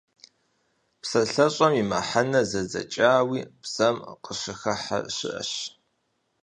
ПсалъэщӀэм и мыхьэнэр зэдзэкӀауи бзэм къыщыхыхьэ щыӏэщ.